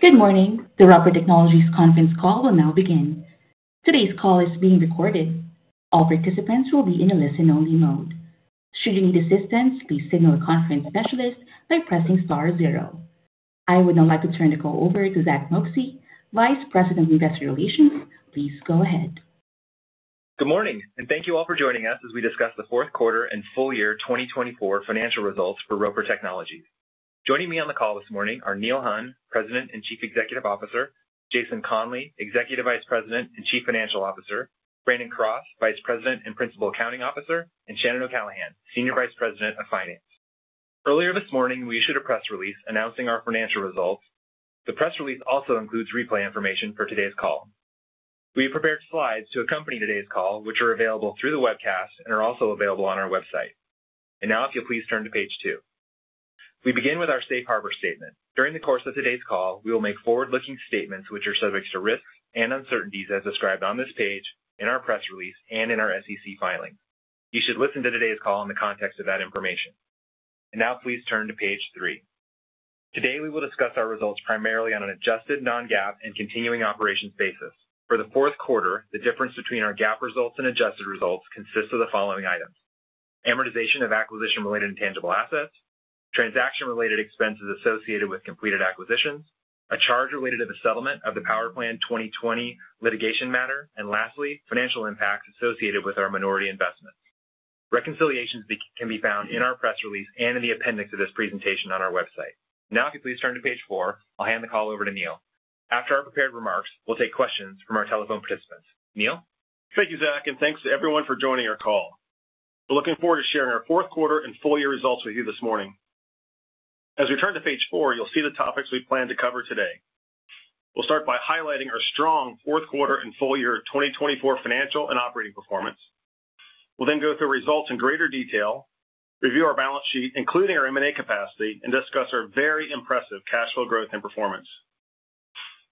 Good morning. The Roper Technologies conference call will now begin. Today's call is being recorded. All participants will be in a listen-only mode. Should you need assistance, please signal the conference specialist by pressing star zero. I would now like to turn the call over to Zack Moxcey, Vice President of Investor Relations. Please go ahead. Good morning, and thank you all for joining us as we discuss the fourth quarter and full year 2024 financial results for Roper Technologies. Joining me on the call this morning are Neil Hunn, President and Chief Executive Officer, Jason Conley, Executive Vice President and Chief Financial Officer, Brian Denyeau, Vice President and Principal Accounting Officer, and Shannon O'Callaghan, Senior Vice President of Finance. Earlier this morning, we issued a press release announcing our financial results. The press release also includes replay information for today's call. We have prepared slides to accompany today's call, which are available through the webcast and are also available on our website. And now, if you'll please turn to page two. We begin with our Safe Harbor Statement. During the course of today's call, we will make forward-looking statements which are subject to risks and uncertainties as described on this page in our press release and in our SEC filings. You should listen to today's call in the context of that information. And now, please turn to page three. Today, we will discuss our results primarily on an adjusted, non-GAAP, and continuing operations basis. For the fourth quarter, the difference between our GAAP results and adjusted results consists of the following items: amortization of acquisition-related intangible assets, transaction-related expenses associated with completed acquisitions, a charge related to the settlement of the PowerPlan 2020 litigation matter, and lastly, financial impacts associated with our minority investments. Reconciliations can be found in our press release and in the appendix of this presentation on our website. Now, if you please turn to page four, I'll hand the call over to Neil. After our prepared remarks, we'll take questions from our telephone participants. Neil? Thank you, Zack, and thanks to everyone for joining our call. We're looking forward to sharing our fourth quarter and full year results with you this morning. As we turn to page four, you'll see the topics we plan to cover today. We'll start by highlighting our strong fourth quarter and full year 2024 financial and operating performance. We'll then go through results in greater detail, review our balance sheet, including our M&A capacity, and discuss our very impressive cash flow growth and performance.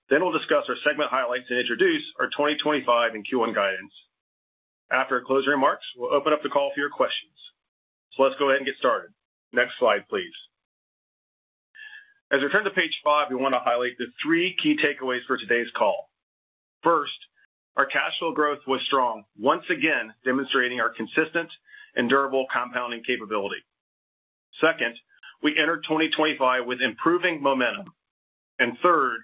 Then we'll discuss our segment highlights and introduce our 2025 and Q1 guidance. After our closing remarks, we'll open up the call for your questions. So let's go ahead and get started. Next slide, please. As we turn to page five, we want to highlight the three key takeaways for today's call. First, our cash flow growth was strong, once again demonstrating our consistent and durable compounding capability. Second, we entered 2025 with improving momentum. And third,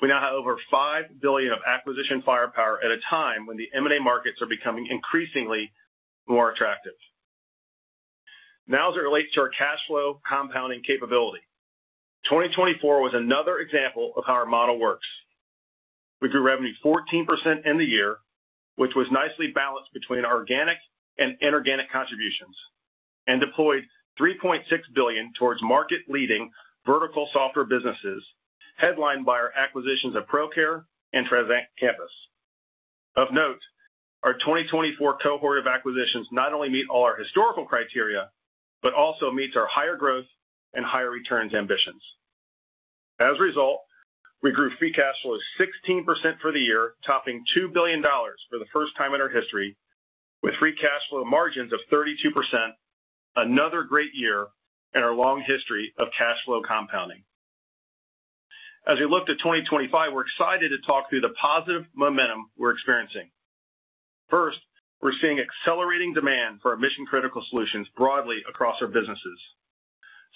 we now have over $5 billion of acquisition firepower at a time when the M&A markets are becoming increasingly more attractive. Now, as it relates to our cash flow compounding capability, 2024 was another example of how our model works. We grew revenue 14% in the year, which was nicely balanced between organic and inorganic contributions, and deployed $3.6 billion toward market-leading vertical software businesses headlined by our acquisitions of Procare and Transact Campus. Of note, our 2024 cohort of acquisitions not only meet all our historical criteria but also meets our higher growth and higher returns ambitions. As a result, we grew free cash flow 16% for the year, topping $2 billion for the first time in our history, with free cash flow margins of 32%, another great year in our long history of cash flow compounding. As we look to 2025, we're excited to talk through the positive momentum we're experiencing. First, we're seeing accelerating demand for our mission-critical solutions broadly across our businesses.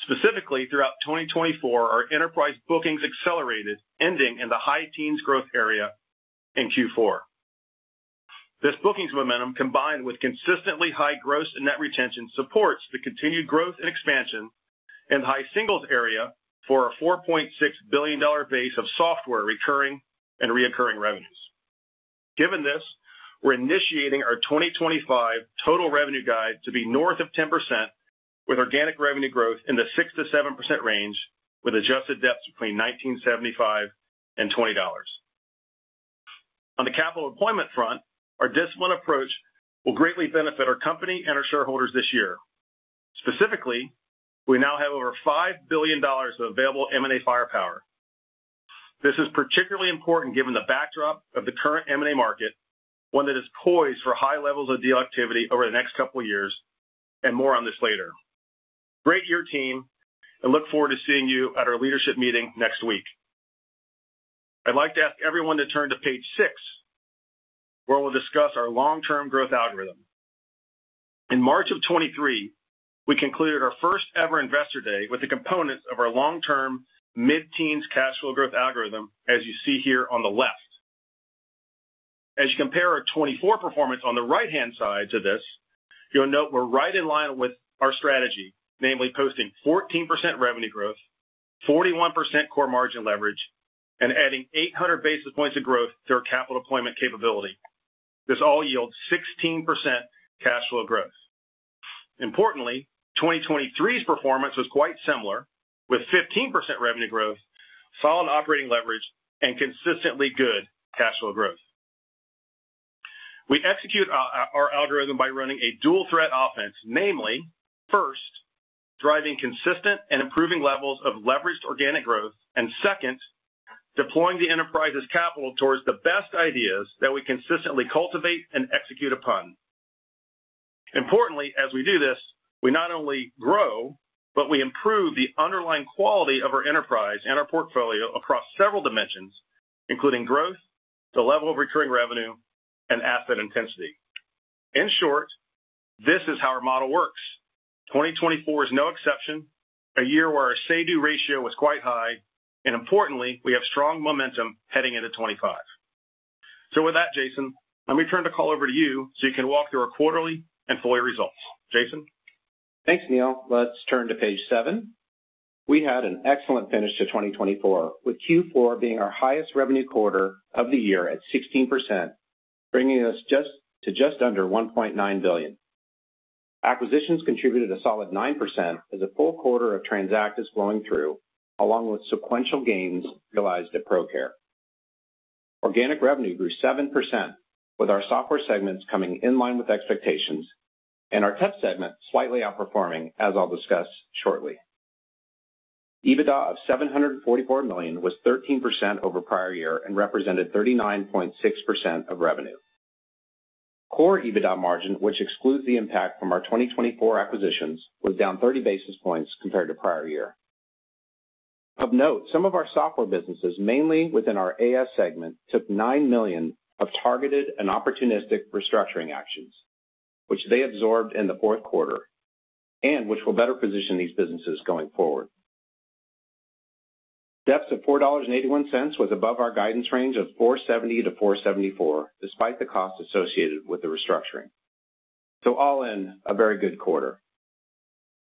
Specifically, throughout 2024, our enterprise bookings accelerated, ending in the high teens growth area in Q4. This bookings momentum, combined with consistently high gross net retention, supports the continued growth and expansion in the high singles area for a $4.6 billion base of software recurring and reoccurring revenues. Given this, we're initiating our 2025 total revenue guide to be north of 10%, with organic revenue growth in the 6%-7% range, with adjusted EBITDA between $19.75 and $20. On the capital deployment front, our discipline approach will greatly benefit our company and our shareholders this year. Specifically, we now have over $5 billion of available M&A firepower. This is particularly important given the backdrop of the current M&A market, one that is poised for high levels of deal activity over the next couple of years, and more on this later. Great year, team, and look forward to seeing you at our leadership meeting next week. I'd like to ask everyone to turn to page six, where we'll discuss our long-term growth algorithm. In March of 2023, we concluded our first-ever investor day with the components of our long-term mid-teens cash flow growth algorithm, as you see here on the left. As you compare our 2024 performance on the right-hand side to this, you'll note we're right in line with our strategy, namely posting 14% revenue growth, 41% core margin leverage, and adding 800 basis points of growth to our capital deployment capability. This all yields 16% cash flow growth. Importantly, 2023's performance was quite similar, with 15% revenue growth, solid operating leverage, and consistently good cash flow growth. We execute our algorithm by running a dual-threat offense, namely, first, driving consistent and improving levels of leveraged organic growth, and second, deploying the enterprise's capital towards the best ideas that we consistently cultivate and execute upon. Importantly, as we do this, we not only grow, but we improve the underlying quality of our enterprise and our portfolio across several dimensions, including growth, the level of recurring revenue, and asset intensity. In short, this is how our model works. 2024 is no exception, a year where our say-do ratio was quite high, and importantly, we have strong momentum heading into 2025. So with that, Jason, let me turn the call over to you so you can walk through our quarterly and full year results. Jason? Thanks, Neil. Let's turn to page seven. We had an excellent finish to 2024, with Q4 being our highest revenue quarter of the year at 16%, bringing us to just under $1.9 billion. Acquisitions contributed a solid 9% as a full quarter of Transact is flowing through, along with sequential gains realized at Procare. Organic revenue grew 7%, with our software segments coming in line with expectations, and our tech segment slightly outperforming, as I'll discuss shortly. EBITDA of $744 million was 13% over prior year and represented 39.6% of revenue. Core EBITDA margin, which excludes the impact from our 2024 acquisitions, was down 30 basis points compared to prior year. Of note, some of our software businesses, mainly within our AS segment, took $9 million of targeted and opportunistic restructuring actions, which they absorbed in the fourth quarter and which will better position these businesses going forward. EBITDA of $481 million was above our guidance range of $470 million-$474 million, despite the cost associated with the restructuring. So all in, a very good quarter.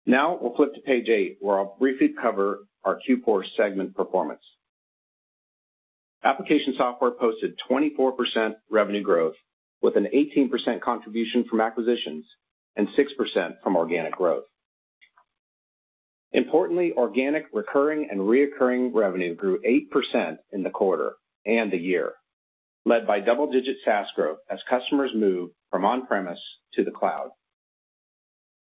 Now, we'll flip to page eight, where I'll briefly cover our Q4 segment performance. Application software posted 24% revenue growth, with an 18% contribution from acquisitions and 6% from organic growth. Importantly, organic, recurring, and recurring revenue grew 8% in the quarter and the year, led by double-digit SaaS growth as customers move from on-premise to the cloud.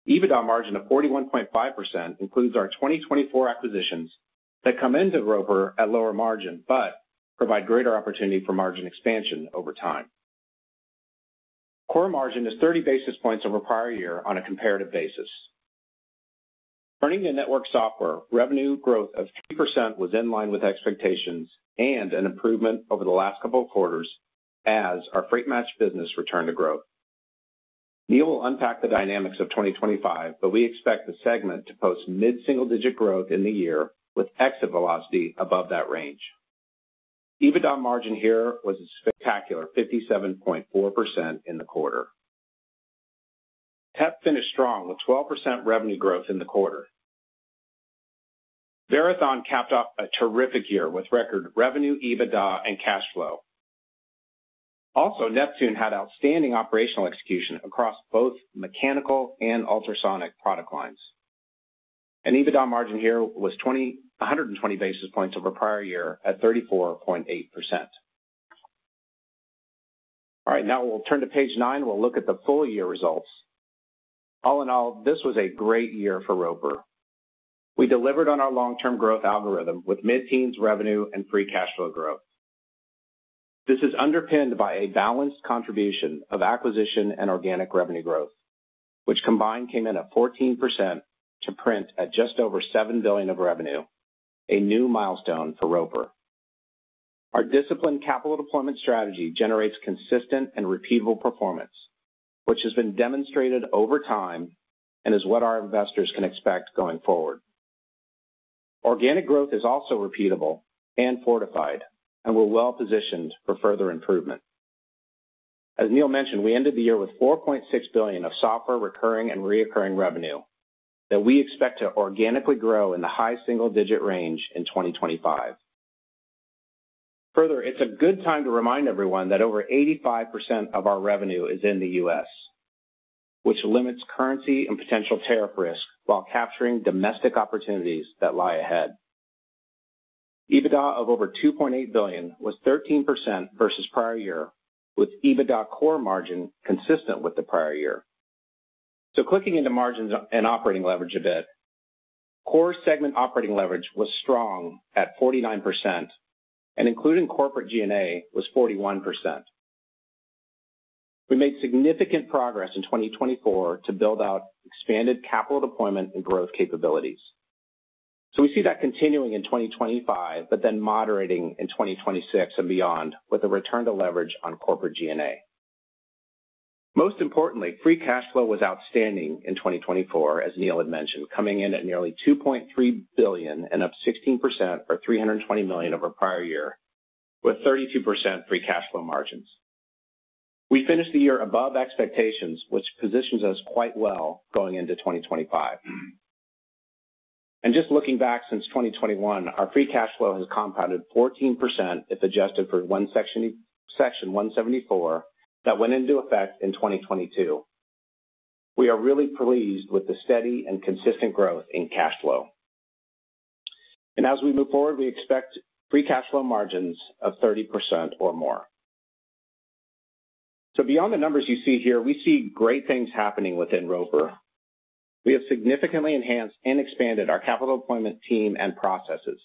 EBITDA margin of 41.5% includes our 2024 acquisitions that come into Roper at lower margin but provide greater opportunity for margin expansion over time. Core margin is 30 basis points over prior year on a comparative basis. Turning to network software, revenue growth of 3% was in line with expectations and an improvement over the last couple of quarters, as our freight match business returned to growth. Neil will unpack the dynamics of 2025, but we expect the segment to post mid-single-digit growth in the year with exit velocity above that range. EBITDA margin here was a spectacular 57.4% in the quarter. Tech finished strong with 12% revenue growth in the quarter. Verathon capped off a terrific year with record revenue, EBITDA, and cash flow. Also, Neptune had outstanding operational execution across both mechanical and ultrasonic product lines, and EBITDA margin here was 120 basis points over prior year at 34.8%. All right, now we'll turn to page nine. We'll look at the full year results. All in all, this was a great year for Roper. We delivered on our long-term growth algorithm with mid-teens revenue and free cash flow growth. This is underpinned by a balanced contribution of acquisition and organic revenue growth, which combined came in at 14% to print at just over $7 billion of revenue, a new milestone for Roper. Our discipline capital deployment strategy generates consistent and repeatable performance, which has been demonstrated over time and is what our investors can expect going forward. Organic growth is also repeatable and fortified and we're well positioned for further improvement. As Neil mentioned, we ended the year with $4.6 billion of software recurring and reoccurring revenue that we expect to organically grow in the high single-digit range in 2025. Further, it's a good time to remind everyone that over 85% of our revenue is in the US, which limits currency and potential tariff risk while capturing domestic opportunities that lie ahead. EBITDA of over $2.8 billion was 13% versus prior year, with EBITDA core margin consistent with the prior year, so clicking into margins and operating leverage a bit, core segment operating leverage was strong at 49%, and including corporate G&A was 41%. We made significant progress in 2024 to build out expanded capital deployment and growth capabilities, so we see that continuing in 2025, but then moderating in 2026 and beyond with a return to leverage on corporate G&A. Most importantly, free cash flow was outstanding in 2024, as Neil had mentioned, coming in at nearly $2.3 billion and up 16% or $320 million over prior year, with 32% free cash flow margins. We finished the year above expectations, which positions us quite well going into 2025. Just looking back since 2021, our Free Cash Flow has compounded 14% if adjusted for one Section 174 that went into effect in 2022. We are really pleased with the steady and consistent growth in cash flow. As we move forward, we expect Free Cash Flow margins of 30% or more. Beyond the numbers you see here, we see great things happening within Roper. We have significantly enhanced and expanded our capital deployment team and processes.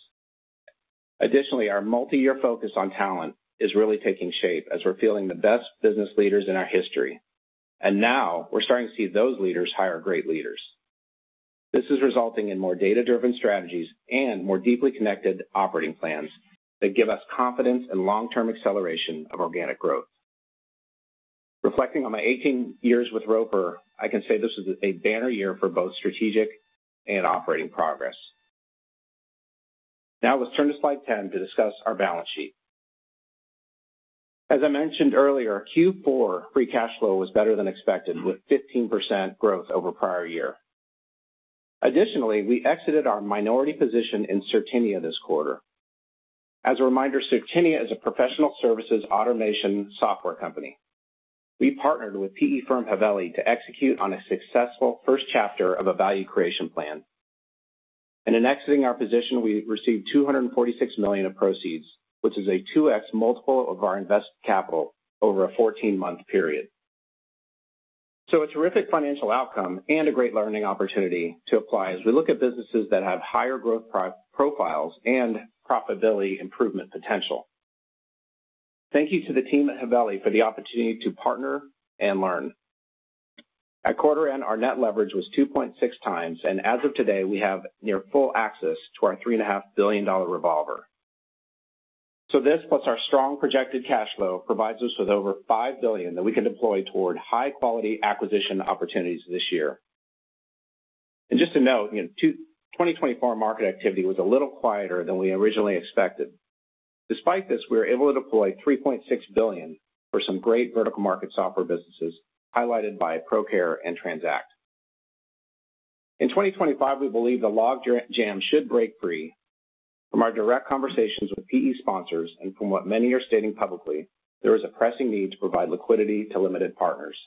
Additionally, our multi-year focus on talent is really taking shape as we're fielding the best business leaders in our history. Now we're starting to see those leaders hire great leaders. This is resulting in more data-driven strategies and more deeply connected operating plans that give us confidence and long-term acceleration of organic growth. Reflecting on my 18 years with Roper, I can say this was a banner year for both strategic and operating progress. Now let's turn to slide 10 to discuss our balance sheet. As I mentioned earlier, Q4 free cash flow was better than expected, with 15% growth over prior year. Additionally, we exited our minority position in Certinia this quarter. As a reminder, Certinia is a professional services automation software company. We partnered with PE firm Haveli to execute on a successful first chapter of a value creation plan. And in exiting our position, we received $246 million of proceeds, which is a 2X multiple of our invested capital over a 14-month period. So a terrific financial outcome and a great learning opportunity to apply as we look at businesses that have higher growth profiles and profitability improvement potential. Thank you to the team at Haveli for the opportunity to partner and learn. At quarter end, our net leverage was 2.6x, and as of today, we have near full access to our $3.5 billion revolver, so this, plus our strong projected cash flow, provides us with over $5 billion that we can deploy toward high-quality acquisition opportunities this year, and just to note, 2024 market activity was a little quieter than we originally expected. Despite this, we were able to deploy $3.6 billion for some great vertical market software businesses, highlighted by ProCare and Transact. In 2025, we believe the log jam should break free from our direct conversations with PE sponsors and from what many are stating publicly. There is a pressing need to provide liquidity to limited partners.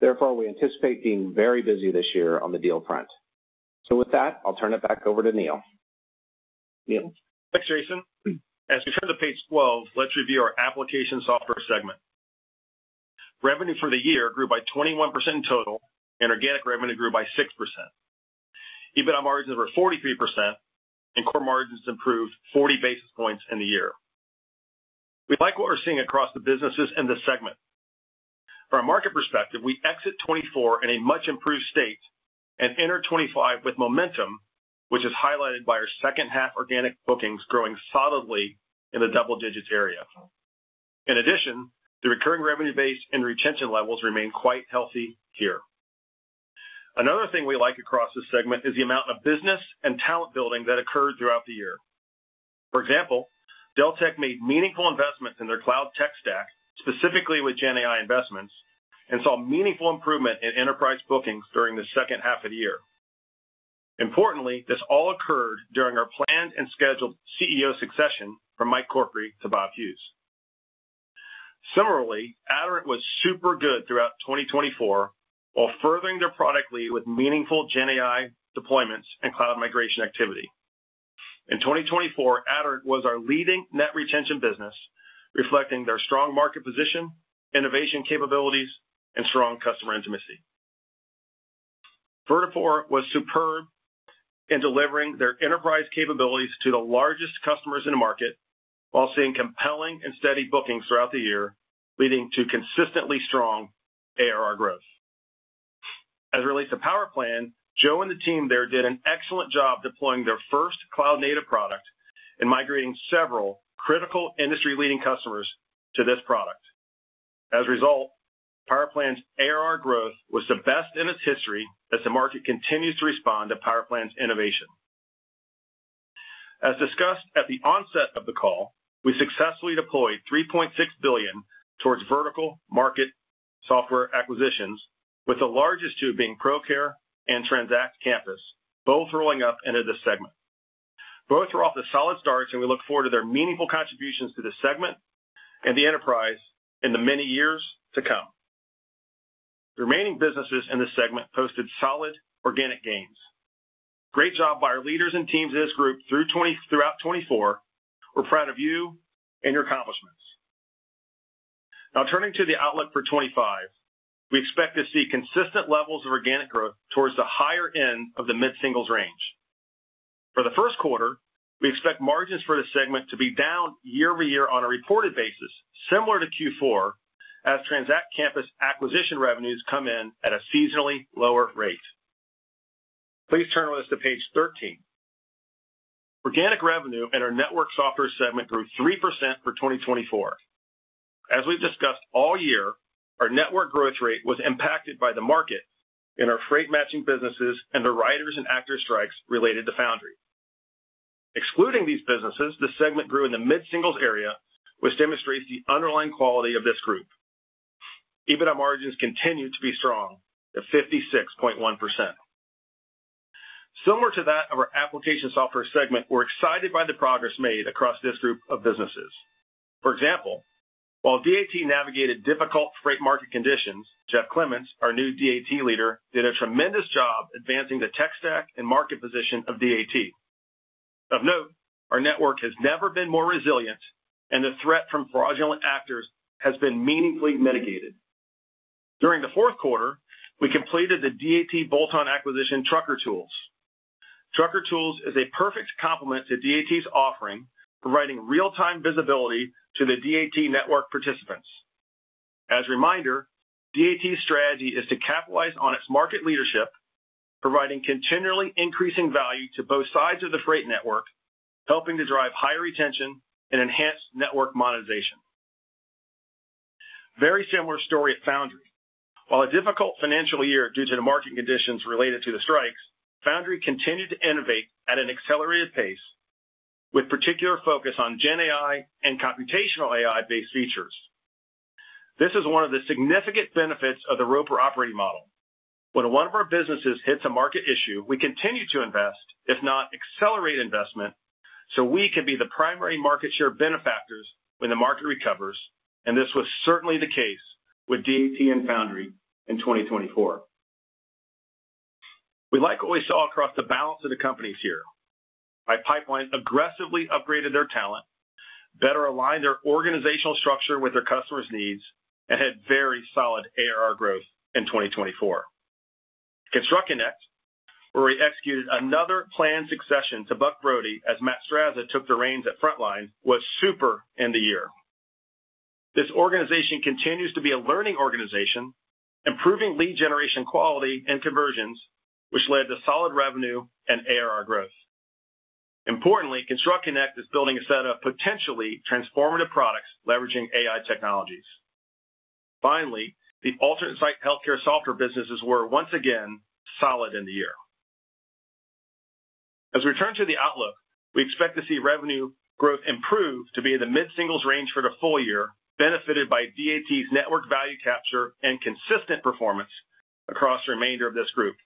Therefore, we anticipate being very busy this year on the deal front. So with that, I'll turn it back over to Neil. Neil? Thanks, Jason. As we turn to page 12, let's review our application software segment. Revenue for the year grew by 21% in total, and organic revenue grew by 6%. EBITDA margins were 43%, and core margins improved 40 basis points in the year. We like what we're seeing across the businesses and the segment. From a market perspective, we exit 2024 in a much-improved state and enter 2025 with momentum, which is highlighted by our second-half organic bookings growing solidly in the double-digit area. In addition, the recurring revenue base and retention levels remain quite healthy here. Another thing we like across this segment is the amount of business and talent building that occurred throughout the year. For example, Deltek made meaningful investments in their cloud tech stack, specifically with GenAI investments, and saw meaningful improvement in enterprise bookings during the second half of the year. Importantly, this all occurred during our planned and scheduled CEO succession from Mike Corkery to Bob Hughes. Similarly, Aderant was super good throughout 2024 while furthering their product lead with meaningful GenAI deployments and cloud migration activity. In 2024, Aderant was our leading net retention business, reflecting their strong market position, innovation capabilities, and strong customer intimacy. Vertafore was superb in delivering their enterprise capabilities to the largest customers in the market while seeing compelling and steady bookings throughout the year, leading to consistently strong ARR growth. As it relates to PowerPlan, Joe and the team there did an excellent job deploying their first cloud-native product and migrating several critical industry-leading customers to this product. As a result, PowerPlan's ARR growth was the best in its history as the market continues to respond to PowerPlan's innovation. As discussed at the onset of the call, we successfully deployed $3.6 billion towards vertical market software acquisitions, with the largest two being ProCare and Transact Campus, both rolling up into this segment. Both were off to solid starts, and we look forward to their meaningful contributions to the segment and the enterprise in the many years to come. The remaining businesses in the segment posted solid organic gains. Great job by our leaders and teams in this group throughout 2024. We're proud of you and your accomplishments. Now, turning to the outlook for 2025, we expect to see consistent levels of organic growth towards the higher end of the mid-singles range. For the first quarter, we expect margins for the segment to be down year-over-year on a reported basis, similar to Q4, as Transact Campus acquisition revenues come in at a seasonally lower rate. Please turn with us to page 13. Organic revenue in our network software segment grew 3% for 2024. As we've discussed all year, our network growth rate was impacted by the market in our freight matching businesses and the writers and actor strikes related to Foundry. Excluding these businesses, the segment grew in the mid-singles area, which demonstrates the underlying quality of this group. EBITDA margins continued to be strong at 56.1%. Similar to that of our application software segment, we're excited by the progress made across this group of businesses. For example, while DAT navigated difficult freight market conditions, Jeff Clements, our new DAT leader, did a tremendous job advancing the tech stack and market position of DAT. Of note, our network has never been more resilient, and the threat from fraudulent actors has been meaningfully mitigated. During the fourth quarter, we completed the DAT bolt-on acquisition, Trucker Tools. Trucker Tools is a perfect complement to DAT's offering, providing real-time visibility to the DAT network participants. As a reminder, DAT's strategy is to capitalize on its market leadership, providing continually increasing value to both sides of the freight network, helping to drive higher retention and enhanced network monetization. Very similar story at Foundry. While a difficult financial year due to the market conditions related to the strikes, Foundry continued to innovate at an accelerated pace, with particular focus on GenAI and computational AI-based features. This is one of the significant benefits of the Roper operating model. When one of our businesses hits a market issue, we continue to invest, if not accelerate investment, so we can be the primary market share benefactors when the market recovers, and this was certainly the case with DAT and Foundry in 2024. We like what we saw across the balance of the companies here. MHA aggressively upgraded their talent, better aligned their organizational structure with their customers' needs, and had very solid ARR growth in 2024. ConstructConnect, where we executed another planned succession to Buck Brody as Matt Straza took the reins at Frontline, was superb in the year. This organization continues to be a learning organization, improving lead generation quality and conversions, which led to solid revenue and ARR growth. Importantly, ConstructConnect is building a set of potentially transformative products leveraging AI technologies. Finally, the alternate site healthcare software businesses were once again solid in the year. As we return to the outlook, we expect to see revenue growth improve to be in the mid-singles range for the full year, benefited by DAT's network value capture and consistent performance across the remainder of this group.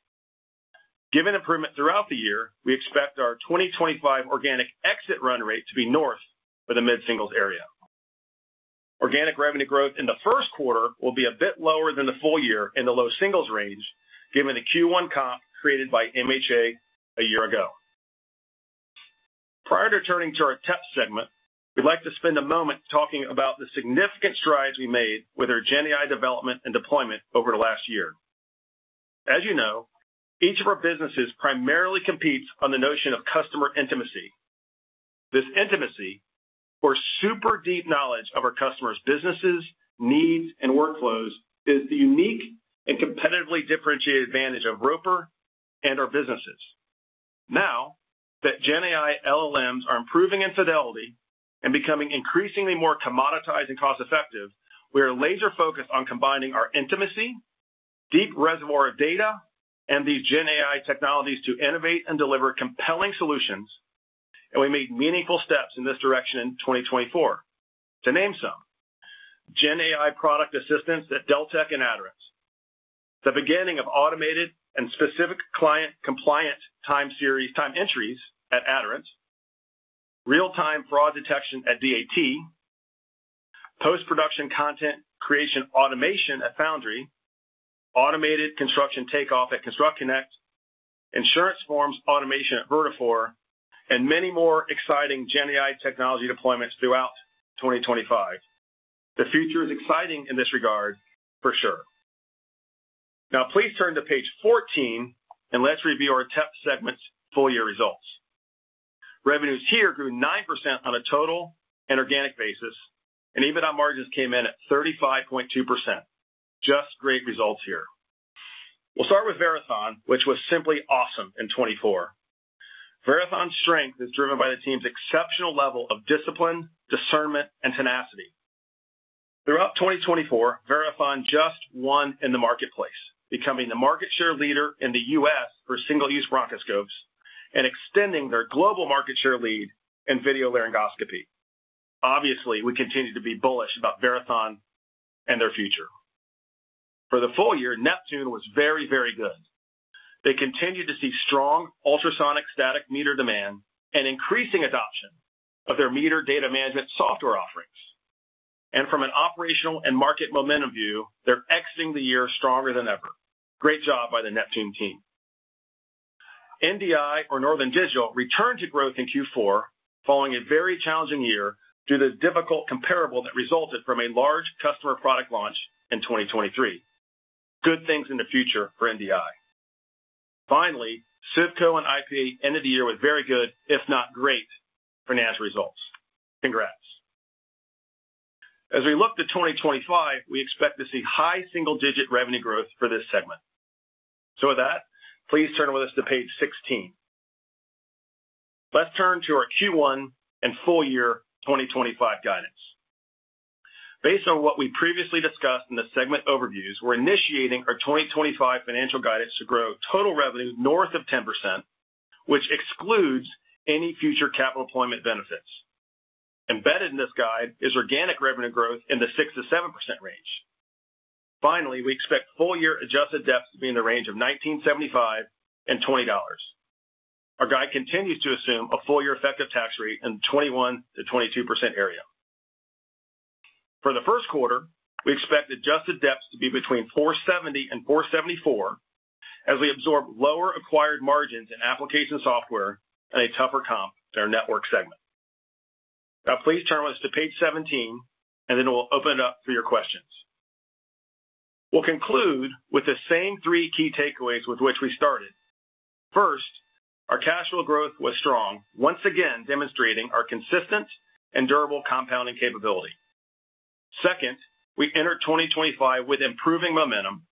Given improvement throughout the year, we expect our 2025 organic exit run rate to be north of the mid-singles area. Organic revenue growth in the first quarter will be a bit lower than the full year in the low singles range, given the Q1 comp created by MHA a year ago. Prior to turning to our tech segment, we'd like to spend a moment talking about the significant strides we made with our GenAI development and deployment over the last year. As you know, each of our businesses primarily competes on the notion of customer intimacy. This intimacy, or super deep knowledge of our customers' businesses, needs, and workflows, is the unique and competitively differentiated advantage of Roper and our businesses. Now that GenAI LLMs are improving in fidelity and becoming increasingly more commoditized and cost-effective, we are laser-focused on combining our intimacy, deep reservoir of data, and these GenAI technologies to innovate and deliver compelling solutions, and we made meaningful steps in this direction in 2024. To name some, GenAI product assistance at Deltek and Aderant. The beginning of automated and specific client-compliant time series time entries at Aderant. Real-time fraud detection at DAT. Post-production content creation automation at Foundry. Automated construction takeoff at ConstructConnect. Insurance forms automation at Vertafore, and many more exciting GenAI technology deployments throughout 2025. The future is exciting in this regard, for sure. Now, please turn to page 14 and let's review our tech segment's full-year results. Revenues here grew 9% on a total and organic basis, and EBITDA margins came in at 35.2%. Just great results here. We'll start with Verathon, which was simply awesome in 2024. Verathon's strength is driven by the team's exceptional level of discipline, discernment, and tenacity. Throughout 2024, Verathon just won in the marketplace, becoming the market share leader in the U.S. for single-use bronchoscopes and extending their global market share lead in video laryngoscopy. Obviously, we continue to be bullish about Verathon and their future. For the full year, Neptune was very, very good. They continued to see strong ultrasonic static meter demand and increasing adoption of their meter data management software offerings. From an operational and market momentum view, they're exiting the year stronger than ever. Great job by the Neptune team. NDI, or Northern Digital, returned to growth in Q4 following a very challenging year due to the difficult comparable that resulted from a large customer product launch in 2023. Good things in the future for NDI. Finally, CIVCO and IPA ended the year with very good, if not great, financial results. Congrats. As we look to 2025, we expect to see high single-digit revenue growth for this segment. So with that, please turn with us to page 16. Let's turn to our Q1 and full-year 2025 guidance. Based on what we previously discussed in the segment overviews, we're initiating our 2025 financial guidance to grow total revenue north of 10%, which excludes any future capital deployment benefits. Embedded in this guide is organic revenue growth in the 6%-7% range. Finally, we expect full-year adjusted EBITDA to be in the range of $19.75-$20. Our guide continues to assume a full-year effective tax rate in the 21%-22% area. For the first quarter, we expect adjusted EBITDA to be between $470-$474 as we absorb lower acquired margins in application software and a tougher comp in our network segment. Now, please turn with us to page 17, and then we'll open it up for your questions. We'll conclude with the same three key takeaways with which we started. First, our cash flow growth was strong, once again demonstrating our consistent and durable compounding capability. Second, we entered 2025 with improving momentum.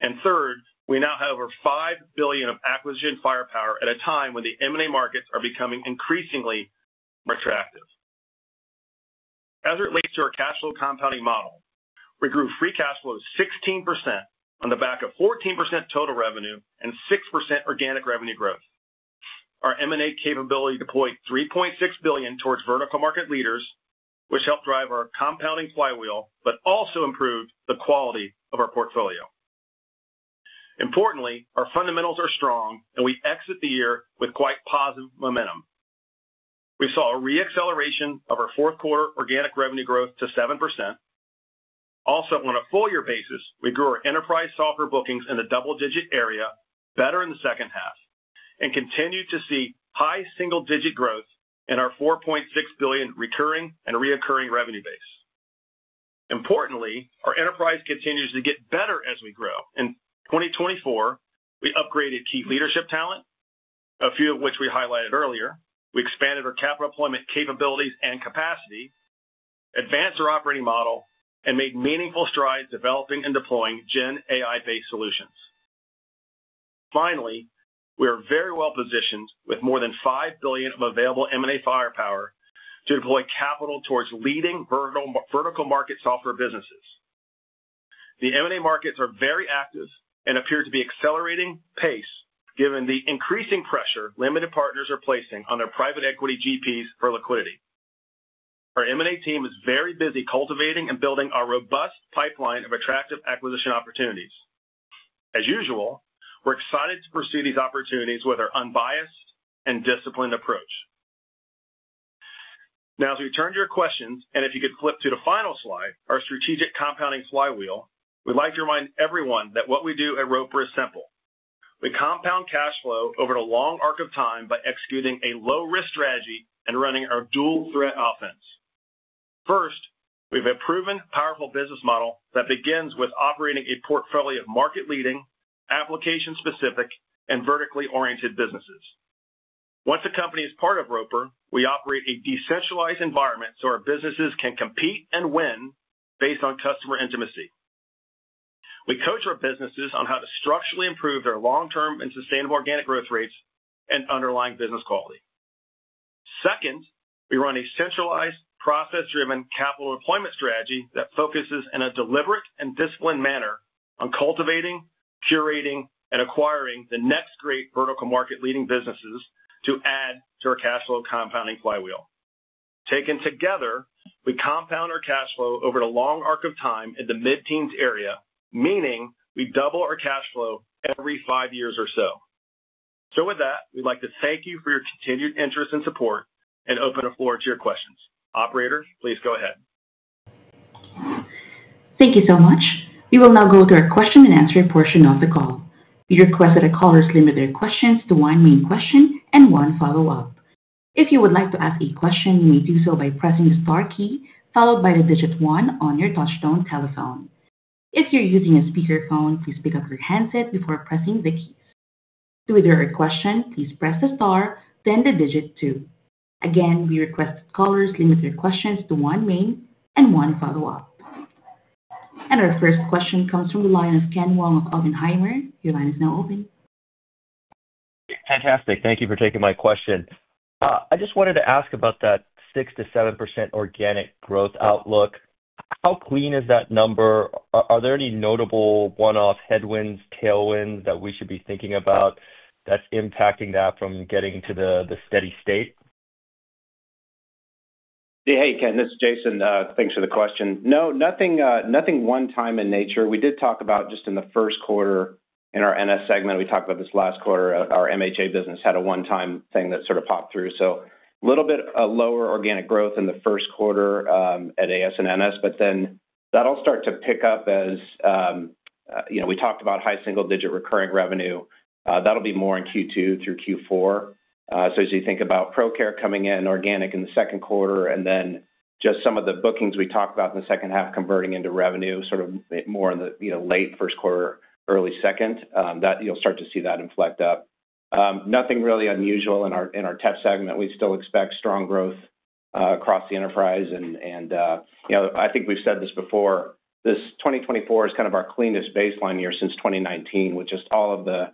And third, we now have over $5 billion of acquisition firepower at a time when the M&A markets are becoming increasingly attractive. As it relates to our cash flow compounding model, we grew free cash flow 16% on the back of 14% total revenue and 6% organic revenue growth. Our M&A capability deployed $3.6 billion towards vertical market leaders, which helped drive our compounding flywheel, but also improved the quality of our portfolio. Importantly, our fundamentals are strong, and we exit the year with quite positive momentum. We saw a re-acceleration of our fourth quarter organic revenue growth to 7%. Also, on a full-year basis, we grew our enterprise software bookings in the double-digit area better in the second half and continued to see high single-digit growth in our $4.6 billion recurring and reoccurring revenue base. Importantly, our enterprise continues to get better as we grow. In 2024, we upgraded key leadership talent, a few of which we highlighted earlier. We expanded our capital allocation capabilities and capacity, advanced our operating model, and made meaningful strides developing and deploying GenAI-based solutions. Finally, we are very well positioned with more than $5 billion of available M&A firepower to deploy capital towards leading vertical market software businesses. The M&A markets are very active and appear to be accelerating pace given the increasing pressure limited partners are placing on their private equity GPs for liquidity. Our M&A team is very busy cultivating and building our robust pipeline of attractive acquisition opportunities. As usual, we're excited to pursue these opportunities with our unbiased and disciplined approach. Now, as we turn to your questions, and if you could flip to the final slide, our strategic compounding flywheel, we'd like to remind everyone that what we do at Roper is simple. We compound cash flow over a long arc of time by executing a low-risk strategy and running our dual-threat offense. First, we have a proven, powerful business model that begins with operating a portfolio of market-leading, application-specific, and vertically oriented businesses. Once a company is part of Roper, we operate a decentralized environment so our businesses can compete and win based on customer intimacy. We coach our businesses on how to structurally improve their long-term and sustainable organic growth rates and underlying business quality. Second, we run a centralized, process-driven capital deployment strategy that focuses in a deliberate and disciplined manner on cultivating, curating, and acquiring the next great vertical market-leading businesses to add to our cash flow compounding flywheel. Taken together, we compound our cash flow over a long arc of time in the mid-teens area, meaning we double our cash flow every five years or so. So with that, we'd like to thank you for your continued interest and support and open the floor to your questions. Operator, please go ahead. Thank you so much. We will now go to our question-and-answer portion of the call. We request that the callers limit their questions to one main question and one follow-up. If you would like to ask a question, you may do so by pressing the star key followed by the digit one on your touch-tone telephone. If you're using a speakerphone, please pick up your handset before pressing the keys. To withdraw a question, please press the star, then the digit two. Again, we request that callers limit their questions to one main and one follow-up, and our first question comes from the line of Ken Wong of Oppenheimer. Your line is now open. Fantastic. Thank you for taking my question. I just wanted to ask about that 6% to 7% organic growth outlook. How clean is that number? Are there any notable one-off headwinds, tailwinds that we should be thinking about that's impacting that from getting to the steady state? Hey, Ken, this is Jason. Thanks for the question. No, nothing one-time in nature. We did talk about just in the first quarter in our NS segment, we talked about this last quarter, our MHA business had a one-time thing that sort of popped through. So a little bit of lower organic growth in the first quarter at AS and NS, but then that'll start to pick up as we talked about high single-digit recurring revenue. That'll be more in Q2 through Q4. So as you think about ProCare coming in organic in the second quarter, and then just some of the bookings we talked about in the second half converting into revenue, sort of more in the late first quarter, early second, that you'll start to see that inflect up. Nothing really unusual in our tech segment. We still expect strong growth across the enterprise. I think we've said this before; 2024 is kind of our cleanest baseline year since 2019, with just all of the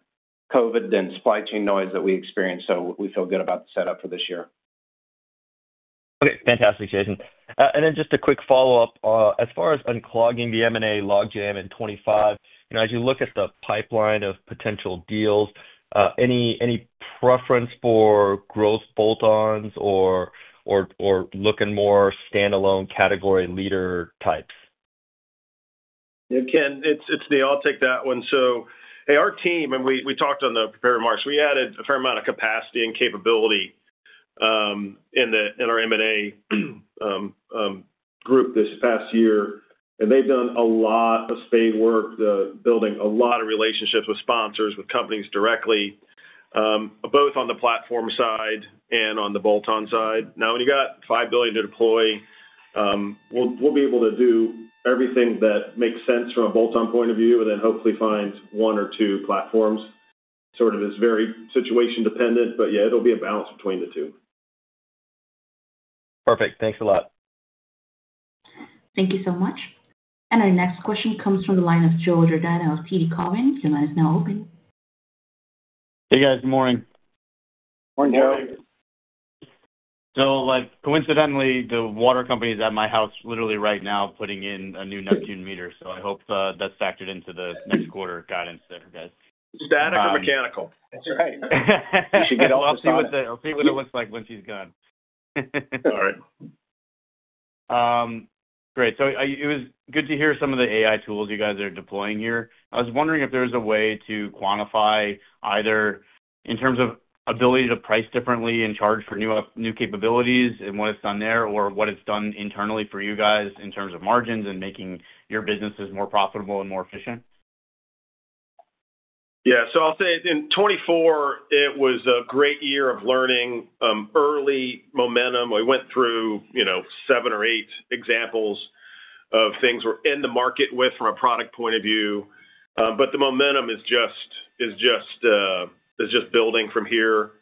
COVID and supply chain noise that we experienced. We feel good about the setup for this year. Okay. Fantastic, Jason. Then just a quick follow-up. As far as unclogging the M&A log jam in 2025, as you look at the pipeline of potential deals, any preference for growth bolt-ons or looking more standalone category leader types? Yeah, Ken, it's Neil. I'll take that one. So our team, and we talked on the prepared remarks, we added a fair amount of capacity and capability in our M&A group this past year. And they've done a lot of spade work, building a lot of relationships with sponsors, with companies directly, both on the platform side and on the bolt-on side. Now, when you got $5 billion to deploy, we'll be able to do everything that makes sense from a bolt-on point of view and then hopefully find one or two platforms. Sort of it's very situation-dependent, but yeah, it'll be a balance between the two. Perfect. Thanks a lot. Thank you so much. And our next question comes from the line of Joe Giordano of TD Cowen. The line is now open. Hey, guys. Good morning. Morning, Joe. So coincidentally, the water company is at my house literally right now putting in a new Neptune meter. So I hope that's factored into the next quarter guidance there, guys. Great. So it was good to hear some of the AI tools you guys are deploying here. I was wondering if there was a way to quantify either in terms of ability to price differently and charge for new capabilities and what it's done there or what it's done internally for you guys in terms of margins and making your businesses more profitable and more efficient. Yeah. So I'll say in 2024, it was a great year of learning, early momentum. We went through seven or eight examples of things we're in the market with from a product point of view. But the momentum is just building from here.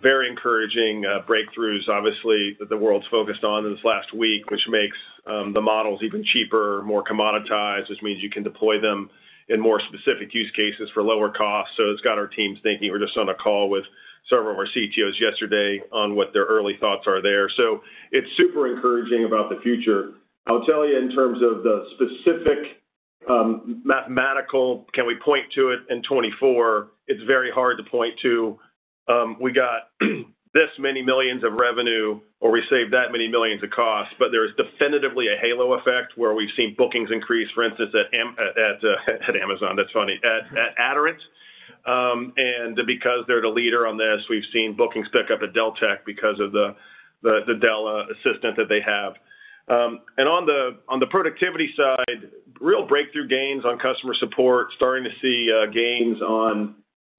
Very encouraging breakthroughs, obviously, that the world's focused on in this last week, which makes the models even cheaper, more commoditized, which means you can deploy them in more specific use cases for lower costs. So it's got our teams thinking. We were just on a call with several of our CTOs yesterday on what their early thoughts are there. So it's super encouraging about the future. I'll tell you in terms of the specific mathematical, can we point to it in 2024? It's very hard to point to. We got this many millions of revenue, or we saved that many millions of costs, but there is definitively a halo effect where we've seen bookings increase, for instance, at Amazon. That's funny. At Aderant. And because they're the leader on this, we've seen bookings pick up at Deltek because of the Dela assistant that they have. And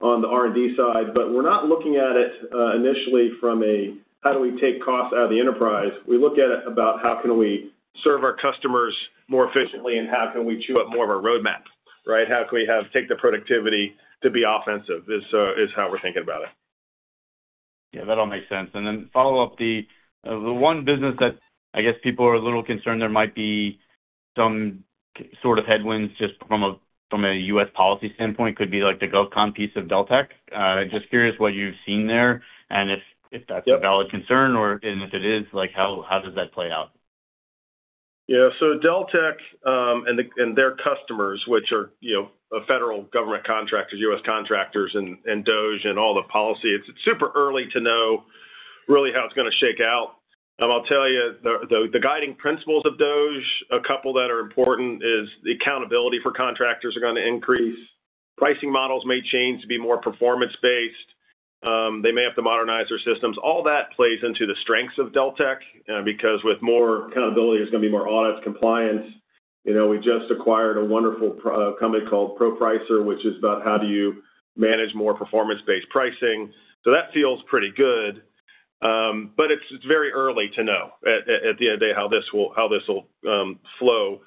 on the productivity side, real breakthrough gains on customer support, starting to see gains on the R&D side. But we're not looking at it initially from a, how do we take costs out of the enterprise? We look at it about how can we serve our customers more efficiently and how can we chew up more of our roadmap, right? How can we take the productivity to be offensive is how we're thinking about it. Yeah, that all makes sense. And then follow-up, the one business that I guess people are a little concerned there might be some sort of headwinds just from a U.S. policy standpoint could be the GovCon piece of Deltek. Just curious what you've seen there and if that's a valid concern, and if it is, how does that play out? Yeah. So Deltek and their customers, which are federal government contractors, U.S. contractors, and DOGE and all the policy, it's super early to know really how it's going to shake out. I'll tell you the guiding principles of DOGE, a couple that are important is the accountability for contractors are going to increase. Pricing models may change to be more performance-based. They may have to modernize their systems. All that plays into the strengths of Deltek because with more accountability, there's going to be more audit compliance. We just acquired a wonderful company called ProPricer, which is about how do you manage more performance-based pricing. So that feels pretty good. But it's very early to know at the end of the day how this will flow.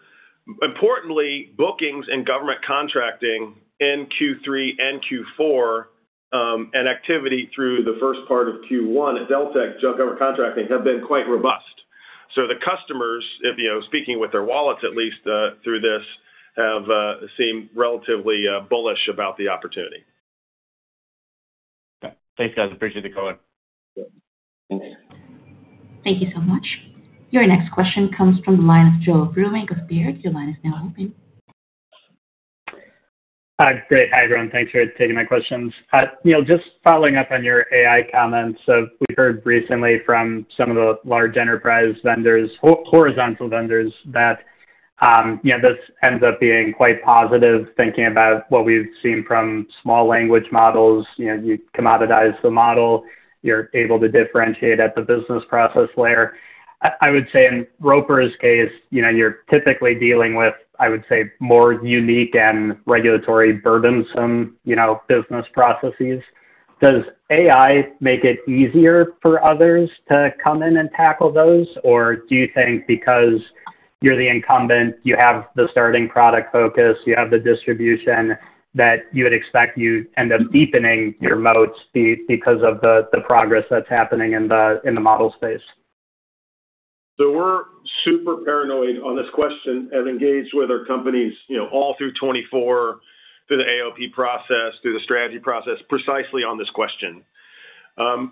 Importantly, bookings and government contracting in Q3 and Q4 and activity through the first part of Q1 at Deltek, government contracting have been quite robust. So the customers, speaking with their wallets at least through this, have seemed relatively bullish about the opportunity. Thanks, guys. Appreciate the call. Thanks. Thank you so much. Your next question comes from the line of Joe Vruwink of Baird. Your line is now open. Hi, great. Hi, everyone. Thanks for taking my questions. Just following up on your AI comments, we heard recently from some of the large enterprise vendors, horizontal vendors, that this ends up being quite positive thinking about what we've seen from large language models. You commoditize the model. You're able to differentiate at the business process layer. I would say in Roper's case, you're typically dealing with, I would say, more unique and regulatory burdensome business processes. Does AI make it easier for others to come in and tackle those, or do you think because you're the incumbent, you have the starting product focus, you have the distribution that you would expect you'd end up deepening your moats because of the progress that's happening in the model space? So we're super paranoid on this question and engaged with our companies all through 2024, through the AOP process, through the strategy process, precisely on this question.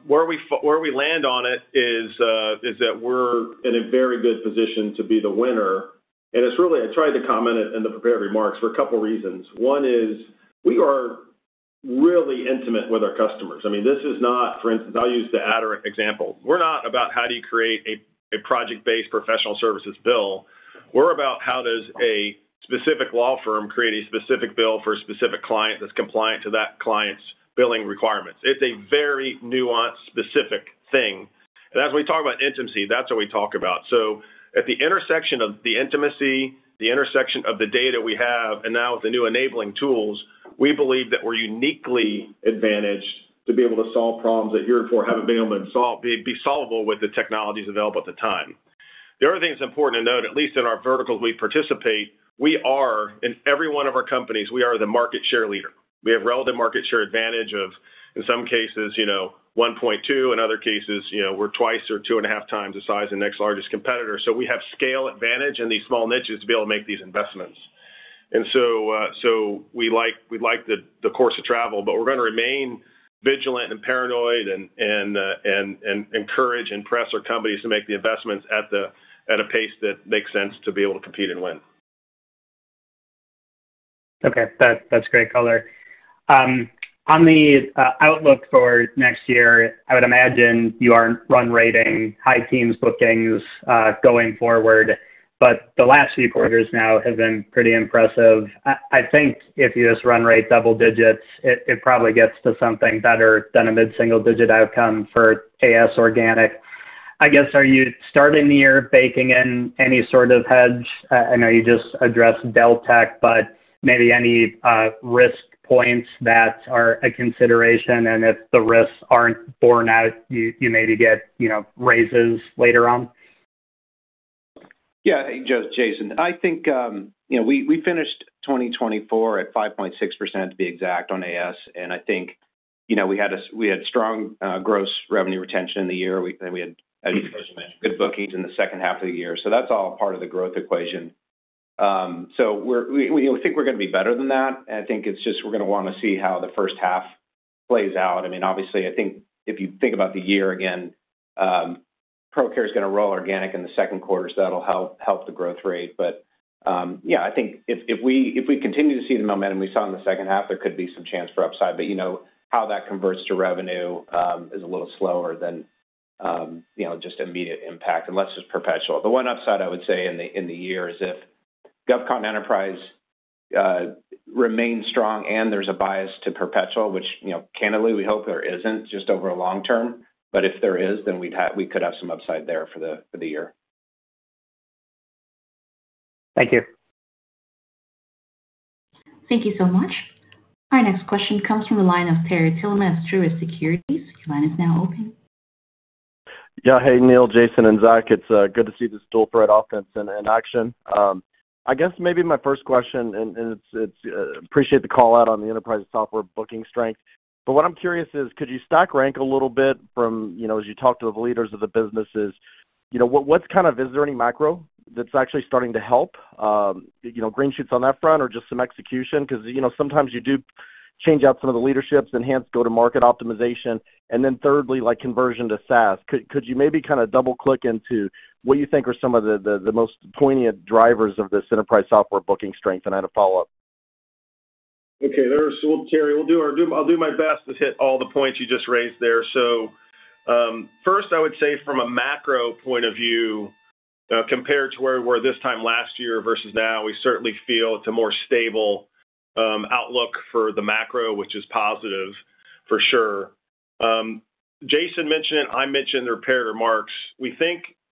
Where we land on it is that we're in a very good position to be the winner. And it's really, I tried to comment in the prepared remarks for a couple of reasons. One is we are really intimate with our customers. I mean, this is not, for instance, I'll use the Aderant example. We're not about how do you create a project-based professional services bill. We're about how does a specific law firm create a specific bill for a specific client that's compliant to that client's billing requirements. It's a very nuanced, specific thing. And as we talk about intimacy, that's what we talk about. So at the intersection of the intimacy, the intersection of the data we have, and now with the new enabling tools, we believe that we're uniquely advantaged to be able to solve problems that year four haven't been able to be solved with the technologies available at the time. The other thing that's important to note, at least in our verticals we participate, we are in every one of our companies, we are the market share leader. We have relative market share advantage of, in some cases, 1.2. In other cases, we're twice or two and a half times the size of the next largest competitor. So we have scale advantage in these small niches to be able to make these investments. And so we like the course of travel, but we're going to remain vigilant and paranoid and encourage and press our companies to make the investments at a pace that makes sense to be able to compete and win. Okay. That's great color. On the outlook for next year, I would imagine you are run-rating high-teens bookings going forward, but the last few quarters now have been pretty impressive. I think if you just run-rate double digits, it probably gets to something better than a mid-single-digit outcome for SaaS organic. I guess, are you starting the year baking in any sort of hedge? I know you just addressed Deltek, but maybe any risk points that are a consideration? And if the risks aren't borne out, you maybe get raises later on? Yeah. Hey, Jason. I think we finished 2024 at 5.6%, to be exact, on AS. And I think we had strong gross revenue retention in the year. We had, as you mentioned, good bookings in the second half of the year. So that's all part of the growth equation. So we think we're going to be better than that. I think it's just we're going to want to see how the first half plays out. I mean, obviously, I think if you think about the year again, Procare is going to roll organic in the second quarter. So that'll help the growth rate. But yeah, I think if we continue to see the momentum we saw in the second half, there could be some chance for upside. But how that converts to revenue is a little slower than just immediate impact. And let's just perpetual. The one upside I would say in the year is if GovCon Enterprise remains strong and there's a bias to perpetual, which candidly, we hope there isn't just over a long term. But if there is, then we could have some upside there for the year. Thank you. Thank you so much. Our next question comes from the line of Terry Tillman of Truist Securities. Your line is now open. Yeah. Hey, Neil, Jason, and Zack. It's good to see this whole thread offense in action. I guess maybe my first question, and I appreciate the call out on the enterprise software booking strength. But what I'm curious is, could you stack rank a little bit, from as you talk to the leaders of the businesses, what's kind of is there any macro that's actually starting to help? Green shoots on that front or just some execution? Because sometimes you do change out some of the leaderships, enhance go-to-market optimization. And then thirdly, like conversion to SaaS, could you maybe kind of double-click into what you think are some of the most poignant drivers of this enterprise software booking strength? And I had a follow-up. Okay. So Terry, I'll do my best to hit all the points you just raised there. So first, I would say from a macro point of view, compared to where we were this time last year versus now, we certainly feel it's a more stable outlook for the macro, which is positive for sure. Jason mentioned it. I mentioned their remarks.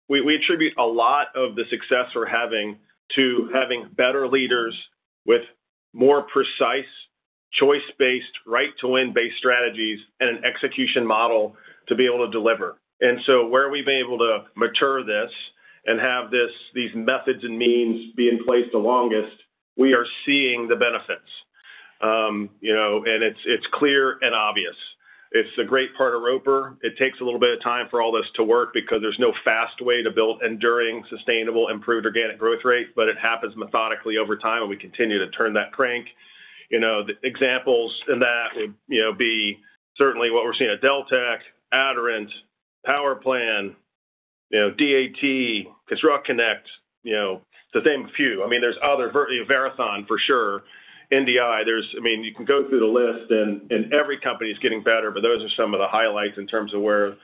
We attribute a lot of the success we're having to having better leaders with more precise choice-based, right-to-win-based strategies and an execution model to be able to deliver. And so where we've been able to mature this and have these methods and means be in place the longest, we are seeing the benefits. And it's clear and obvious. It's a great part of Roper. It takes a little bit of time for all this to work because there's no fast way to build enduring, sustainable, improved organic growth rate, but it happens methodically over time, and we continue to turn that crank. The examples in that would be certainly what we're seeing at Deltek, Aderant, PowerPlan, DAT, ConstructConnect, the same few. I mean, there's other Verathon for sure, NDI. I mean, you can go through the list, and every company is getting better, but those are some of the highlights in terms of where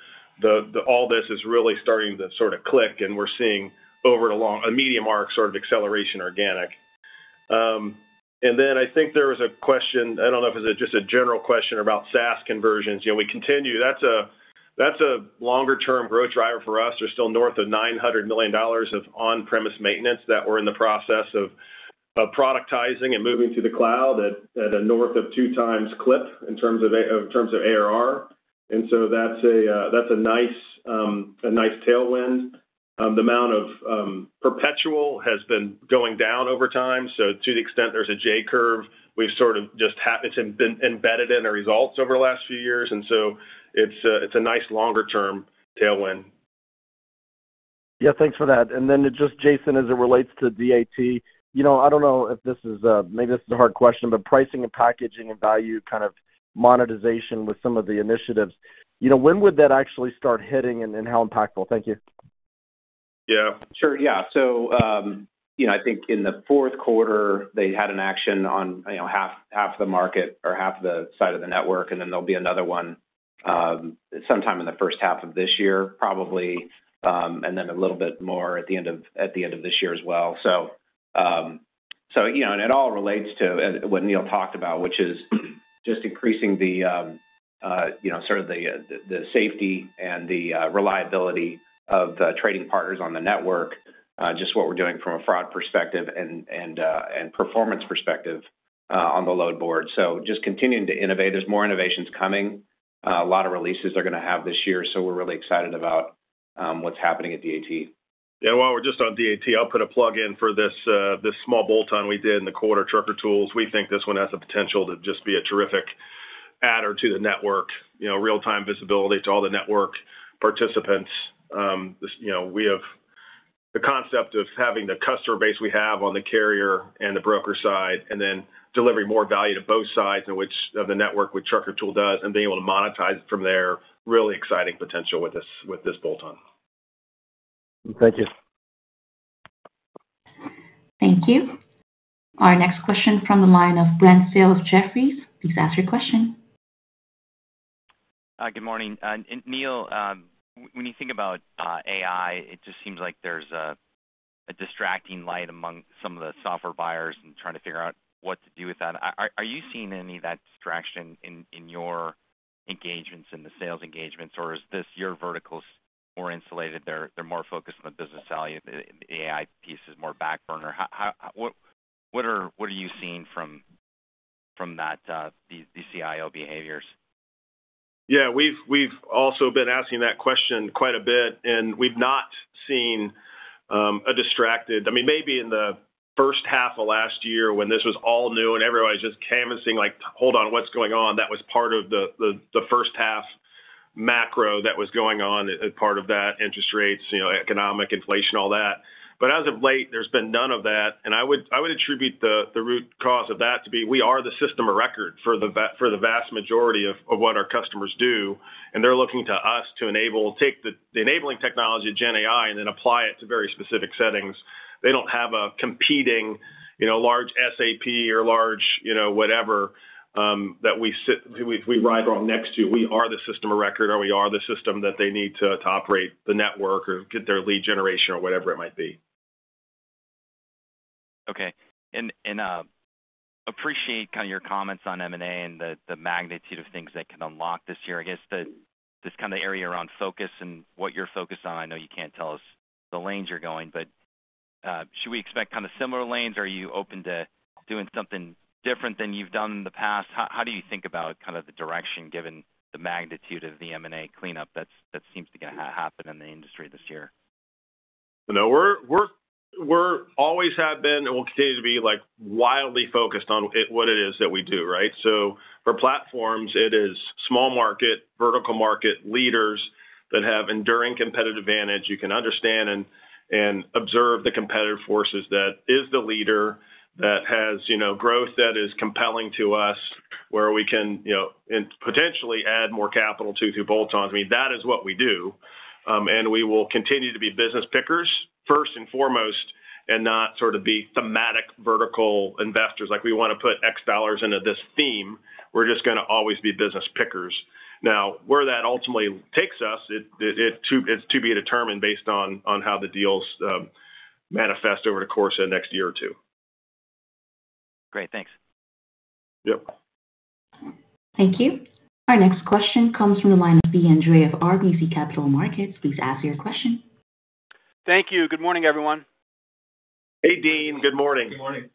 all this is really starting to sort of click, and we're seeing over a medium-term sort of acceleration organic. And then I think there was a question. I don't know if it's just a general question about SaaS conversions. We continue. That's a longer-term growth driver for us. There's still north of $900 million of on-premise maintenance that we're in the process of productizing and moving to the cloud at a north of two-times clip in terms of ARR. And so that's a nice tailwind. The amount of perpetual has been going down over time. So to the extent there's a J curve, we've sort of just had it embedded in our results over the last few years. And so it's a nice longer-term tailwind. Yeah. Thanks for that. And then just Jason, as it relates to DAT, I don't know if this is, maybe this is a hard question, but pricing and packaging and value kind of monetization with some of the initiatives, when would that actually start hitting and how impactful? Thank you. Yeah. Sure. Yeah. So I think in the fourth quarter, they had an action on half of the market or half of the side of the network, and then there'll be another one sometime in the first half of this year, probably, and then a little bit more at the end of this year as well. So it all relates to what Neil talked about, which is just increasing sort of the safety and the reliability of trading partners on the network, just what we're doing from a fraud perspective and performance perspective on the load board. So just continuing to innovate. There's more innovations coming. A lot of releases they're going to have this year. So we're really excited about what's happening at DAT. Yeah. While we're just on DAT, I'll put a plug in for this small bolt-on we did in the quarter, Trucker Tools. We think this one has the potential to just be a terrific add-on to the network, real-time visibility to all the network participants. We have the concept of having the customer base we have on the carrier and the broker side and then delivering more value to both sides of the network, which Trucker Tools does, and being able to monetize it from there, really exciting potential with this bolt-on. Thank you. Thank you. Our next question from the line of Brent Thill, Jefferies. Please ask your question. Hi, good morning. Neil, when you think about AI, it just seems like there's a distracting light among some of the software buyers and trying to figure out what to do with that. Are you seeing any of that distraction in your engagements and the sales engagements, or is this your vertical more insulated? They're more focused on the business value. The AI piece is more back burner. What are you seeing from these CIO behaviors? Yeah. We've also been asking that question quite a bit, and we've not seen a distracted. I mean, maybe in the first half of last year when this was all new and everybody was just canvassing like, "Hold on, what's going on?" That was part of the first half macro that was going on as part of that: interest rates, economic inflation, all that. But as of late, there's been none of that. And I would attribute the root cause of that to be we are the system of record for the vast majority of what our customers do. And they're looking to us to enable the enabling technology of GenAI and then apply it to very specific settings. They don't have a competing large SAP or large whatever that we ride along next to. We are the system of record, or we are the system that they need to operate the network or get their lead generation or whatever it might be. Okay. And appreciate kind of your comments on M&A and the magnitude of things that can unlock this year. I guess this kind of area around focus and what you're focused on, I know you can't tell us the lanes you're going, but should we expect kind of similar lanes? Are you open to doing something different than you've done in the past? How do you think about kind of the direction given the magnitude of the M&A cleanup that seems to happen in the industry this year? No, we always have been and will continue to be wildly focused on what it is that we do, right? So for platforms, it is small market, vertical market leaders that have enduring competitive advantage. You can understand and observe the competitive forces that is the leader that has growth that is compelling to us where we can potentially add more capital to through bolt-on. I mean, that is what we do. And we will continue to be business pickers first and foremost and not sort of be thematic vertical investors. Like we want to put X dollars into this theme. We're just going to always be business pickers. Now, where that ultimately takes us, it's to be determined based on how the deals manifest over the course of the next year or two. Great. Thanks. Yep. Thank you. Our next question comes from the line of Deane Dray of RBC Capital Markets. Please ask your question. Thank you. Good morning, everyone. Hey, Deane. Good morning. Good morning.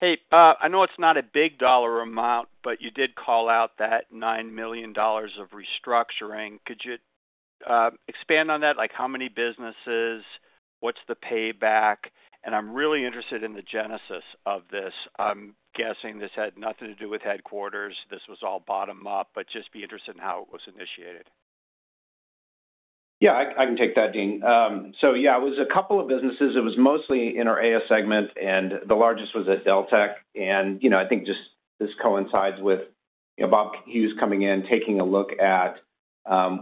Hey. I know it's not a big dollar amount, but you did call out that $9 million of restructuring. Could you expand on that? Like how many businesses? What's the payback? And I'm really interested in the genesis of this. I'm guessing this had nothing to do with headquarters. This was all bottom-up, but just be interested in how it was initiated. Yeah. I can take that, Deane. So yeah, it was a couple of businesses. It was mostly in our AS segment, and the largest was at Deltek. I think just this coincides with Bob Hughes coming in, taking a look at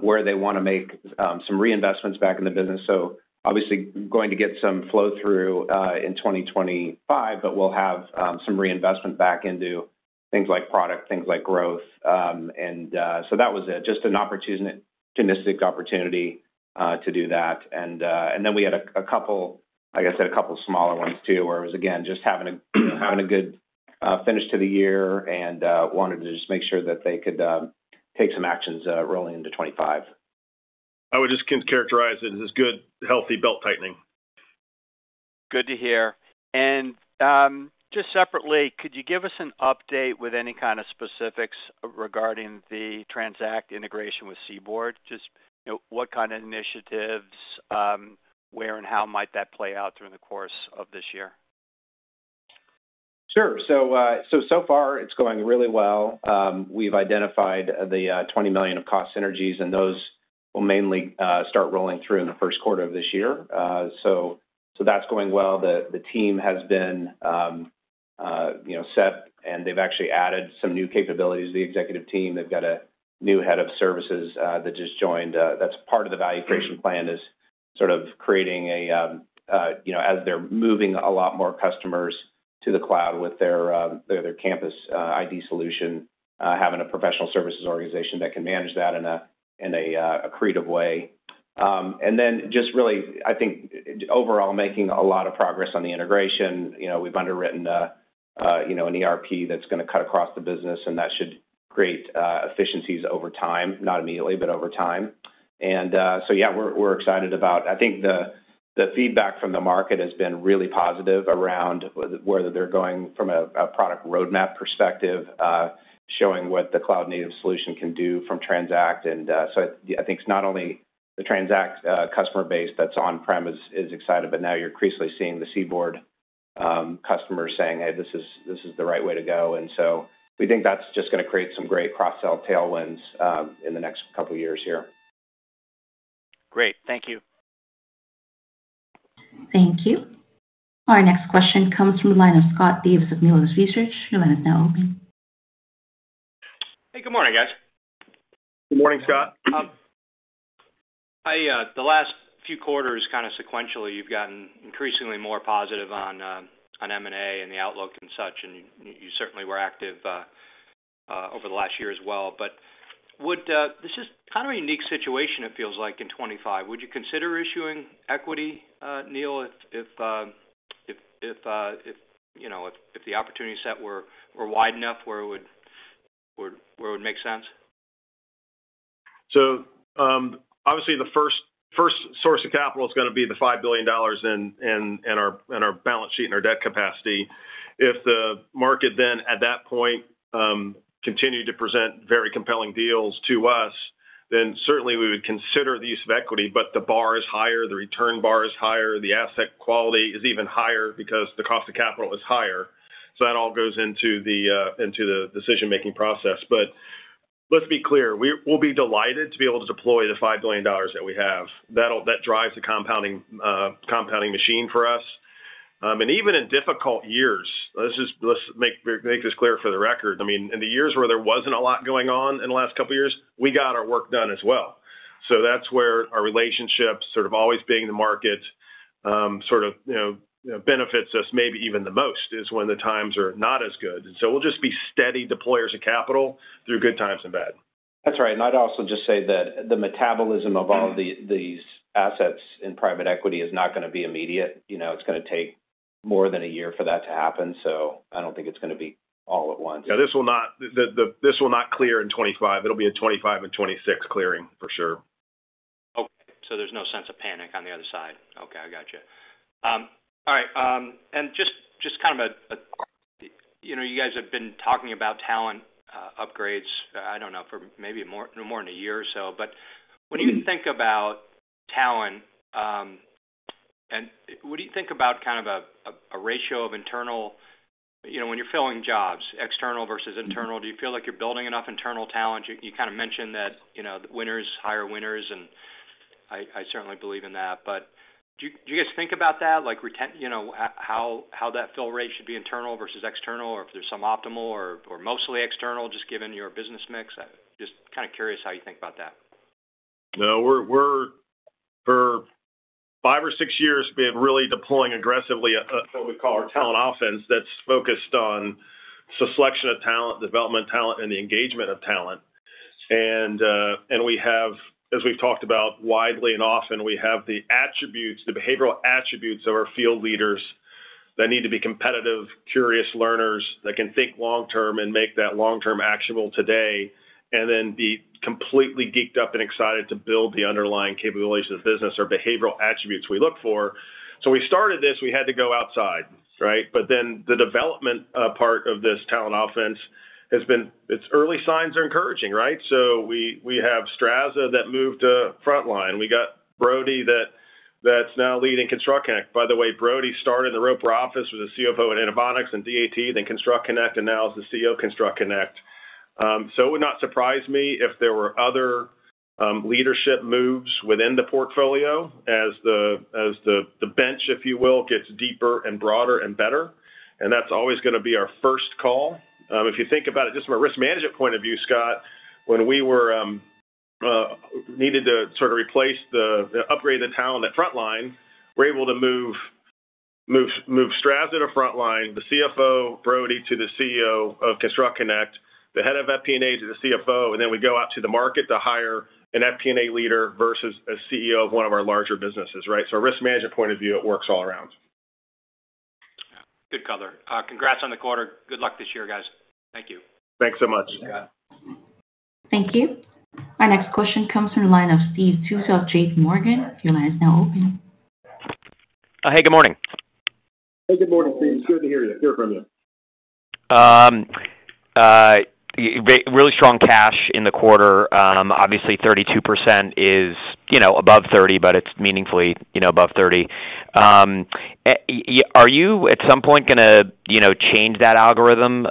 where they want to make some reinvestments back in the business. So obviously, going to get some flow-through in 2025, but we'll have some reinvestment back into things like product, things like growth. And so that was just an opportunistic opportunity to do that. And then we had a couple, like I said, a couple of smaller ones too, where it was, again, just having a good finish to the year and wanted to just make sure that they could take some actions rolling into 2025. I would just characterize it as good, healthy belt tightening. Good to hear. And just separately, could you give us an update with any kind of specifics regarding the Transact integration with CBORD? Just what kind of initiatives, where and how might that play out during the course of this year? Sure. So so far, it's going really well. We've identified the $20 million of cost synergies, and those will mainly start rolling through in the first quarter of this year. So that's going well. The team has been set, and they've actually added some new capabilities, the executive team. They've got a new head of services that just joined. That's part of the value creation plan is sort of creating a, as they're moving a lot more customers to the cloud with their Campus ID solution, having a professional services organization that can manage that in an accretive way. And then just really, I think overall, making a lot of progress on the integration. We've underwritten an ERP that's going to cut across the business, and that should create efficiencies over time, not immediately, but over time. And so yeah, we're excited about, I think the feedback from the market has been really positive around whether they're going from a product roadmap perspective, showing what the cloud-native solution can do from Transact. And so I think it's not only the Transact customer base that's on-prem is excited, but now you're increasingly seeing the CBORD customers saying, "Hey, this is the right way to go." And so we think that's just going to create some great cross-sell tailwinds in the next couple of years here. Great. Thank you. Thank you. Our next question comes from the line of Scott Davis of Melius Research. Your line is now open. Hey, good morning, guys. Good morning, Scott. The last few quarters, kind of sequentially, you've gotten increasingly more positive on M&A and the outlook and such. And you certainly were active over the last year as well. But this is kind of a unique situation, it feels like, in 2025. Would you consider issuing equity, Neil, if the opportunity set were wide enough where it would make sense? So obviously, the first source of capital is going to be the $5 billion in our balance sheet and our debt capacity. If the market then at that point continued to present very compelling deals to us, then certainly we would consider the use of equity, but the bar is higher. The return bar is higher. The asset quality is even higher because the cost of capital is higher. So that all goes into the decision-making process. But let's be clear. We'll be delighted to be able to deploy the $5 billion that we have. That drives the compounding machine for us. And even in difficult years, let's make this clear for the record. I mean, in the years where there wasn't a lot going on in the last couple of years, we got our work done as well. So that's where our relationship, sort of always being the market, sort of benefits us maybe even the most is when the times are not as good. And so we'll just be steady deployers of capital throuh good times and bad. That's right. And I'd also just say that the metabolism of all of these assets in private equity is not going to be immediate. It's going to take more than a year for that to happen. So I don't think it's going to be all at once. Yeah. This will not clear in 2025. It'll be a 2025 and 2026 clearing for sure. Okay. So there's no sense of panic on the other side. Okay. I gotcha. All right, and just kind of a, you guys have been talking about talent upgrades, I don't know, for maybe more than a year or so. But when you think about talent, what do you think about kind of a ratio of internal, when you're filling jobs, external versus internal, do you feel like you're building enough internal talent? You kind of mentioned that winners, hire winners, and I certainly believe in that. But do you guys think about that, how that fill rate should be internal versus external, or if there's some optimal or mostly external, just given your business mix? Just kind of curious how you think about that. No, for five or six years, we've been really deploying aggressively what we call our talent offense that's focused on selection of talent, development of talent, and the engagement of talent, and as we've talked about widely and often, we have the behavioral attributes of our field leaders that need to be competitive, curious learners that can think long-term and make that long-term actionable today, and then be completely geeked up and excited to build the underlying capabilities of the business or behavioral attributes we look for, so we started this, we had to go outside, right, but then the development part of this talent offense has been. Its early signs are encouraging, right, so we have Straza that moved to Frontline. We got Brody that's now leading ConstructConnect. By the way, Brody started in the Roper office as a CFO at IntelliTrans and DAT, then ConstructConnect, and now is the CEO of ConstructConnect. It would not surprise me if there were other leadership moves within the portfolio as the bench, if you will, gets deeper and broader and better, and that's always going to be our first call. If you think about it, just from a risk management point of view, Scott, when we needed to sort of upgrade the talent at Frontline, we're able to move Straza to Frontline, the CFO, Brody to the CEO of ConstructConnect, the head of FP&A to the CFO, and then we go out to the market to hire an FP&A leader versus a CEO of one of our larger businesses, right? So a risk management point of view, it works all around. Good color. Congrats on the quarter. Good luck this year, guys. Thank you. Thanks so much. Thank you. Our next question comes from the line of Steve Tusa, JP Morgan. Your line is now open. Hey, good morning. Hey, good morning, Steve.It's good to hear from you. Really strong cash in the quarter. Obviously, 32% is above 30%, but it's meaningfully above 30%. Are you at some point going to change that algorithm,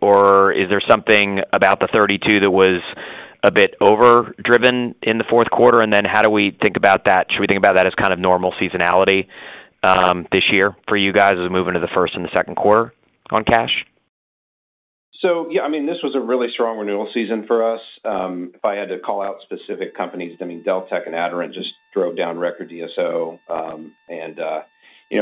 or is there something about the 32% that was a bit overdriven in the fourth quarter? And then how do we think about that? Should we think about that as kind of normal seasonality this year for you guys as we move into the first and the second quarter on cash? So yeah, I mean, this was a really strong renewal season for us. If I had to call out specific companies, I mean, Deltek and Aderant just drove down record DSO, and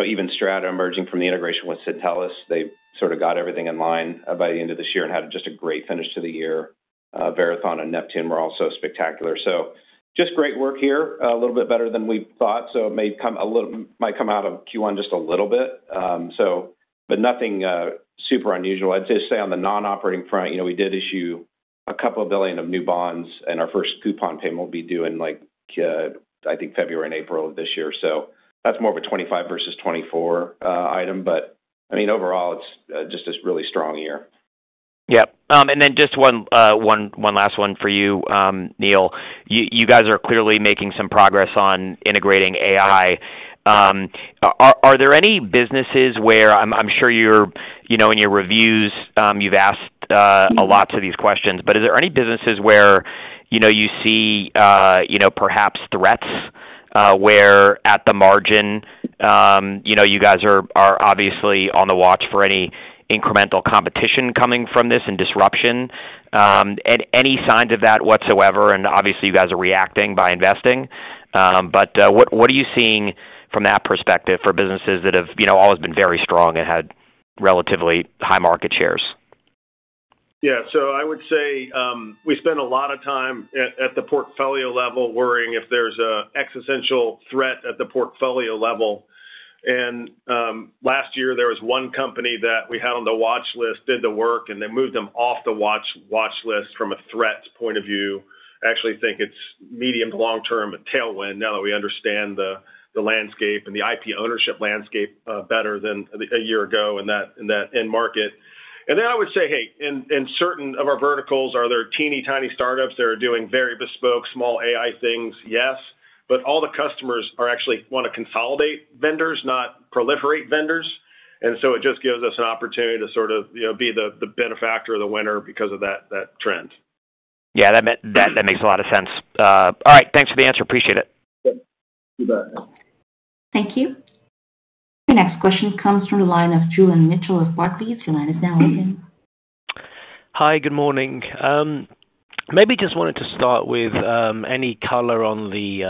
even Strata emerging from the integration with Syntellis, they sort of got everything in line by the end of this year and had just a great finish to the year. Verathon and Neptune were also spectacular, so just great work here, a little bit better than we thought, so it might come out of Q1 just a little bit, but nothing super unusual. I'd say on the non-operating front, we did issue a couple of billion of new bonds, and our first coupon payment will be due in, I think, February and April of this year, so that's more of a 2025 versus 2024 item, but I mean, overall, it's just a really strong year. Yep, and then just one last one for you, Neil. You guys are clearly making some progress on integrating AI. Are there any businesses where I'm sure in your reviews you've asked a lot of these questions, but are there any businesses where you see perhaps threats where at the margin you guys are obviously on the watch for any incremental competition coming from this and disruption? And any signs of that whatsoever? And obviously, you guys are reacting by investing. But what are you seeing from that perspective for businesses that have always been very strong and had relatively high market shares? Yeah. So I would say we spend a lot of time at the portfolio level worrying if there's an existential threat at the portfolio level. And last year, there was one company that we had on the watch list, did the work, and they moved them off the watch list from a threat point of view. I actually think it's medium to long-term tailwind now that we understand the landscape and the IP ownership landscape better than a year ago in that end market. And then I would say, hey, in certain of our verticals, are there teeny-tiny startups that are doing very bespoke small AI things? Yes. But all the customers actually want to consolidate vendors, not proliferate vendors. And so it just gives us an opportunity to sort of be the benefactor, the winner because of that trend. Yeah. That makes a lot of sense. All right. Thanks for the answer. Appreciate it. Yep. You bet. Thank you. Our next question comes from the line of Julian Mitchell of Barclays. Your line is now open. Hi. Good morning. Maybe just wanted to start with any color on the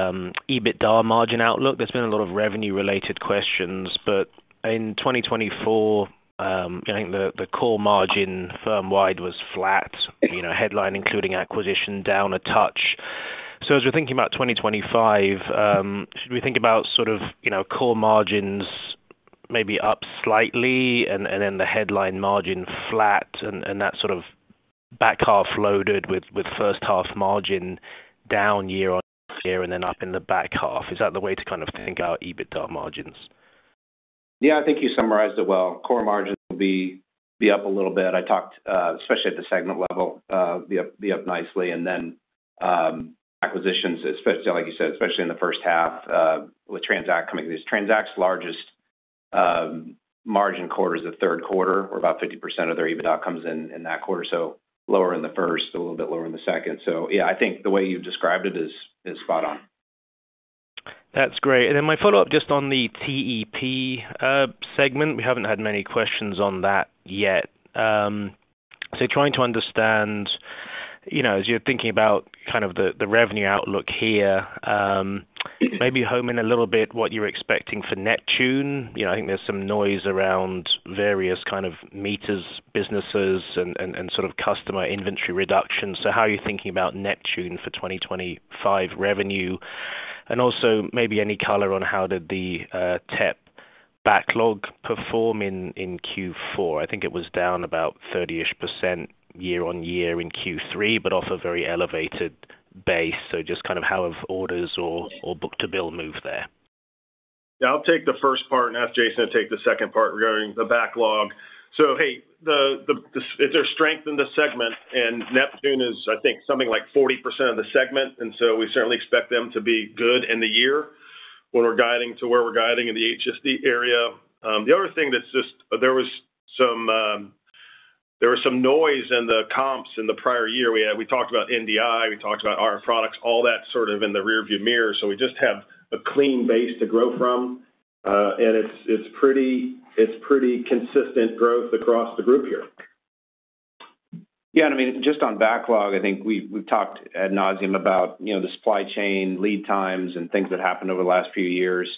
EBITDA margin outlook. There's been a lot of revenue-related questions, but in 2024, I think the core margin firm-wide was flat, headline including acquisition down a touch. So as we're thinking about 2025, should we think about sort of core margins maybe up slightly and then the headline margin flat and that sort of back half loaded with first half margin down year on year and then up in the back half? Is that the way to kind of think our EBITDA margins? Yeah. I think you summarized it well. Core margins will be up a little bit, especially at the segment level, be up nicely. And then acquisitions, like you said, especially in the first half with Transact coming through. Transact's largest margin quarter is the third quarter, where about 50% of their EBITDA comes in that quarter. So lower in the first, a little bit lower in the second. So yeah, I think the way you've described it is spot on. That's great. And then my follow-up just on the TEP segment. We haven't had many questions on that yet. So trying to understand, as you're thinking about kind of the revenue outlook here, maybe homing a little bit what you're expecting for Neptune. I think there's some noise around various kind of meters, businesses, and sort of customer inventory reduction. So how are you thinking about Neptune for 2025 revenue? And also maybe any color on how did the TEP backlog perform in Q4? I think it was down about 30-ish% year on year in Q3, but off a very elevated base. So just kind of how have orders or book to bill moved there? Yeah. I'll take the first part and ask Jason to take the second part regarding the backlog. So, hey, it's our strength in the segment, and Neptune is, I think, something like 40% of the segment. And so we certainly expect them to be good in the year when we're guiding to where we're guiding in the HSD area. The other thing that's just there was some noise in the comps in the prior year. We talked about NDI. We talked about our products, all that sort of in the rearview mirror. So we just have a clean base to grow from, and it's pretty consistent growth across the group here. Yeah. And I mean, just on backlog, I think we've talked ad nauseam about the supply chain lead times and things that happened over the last few years,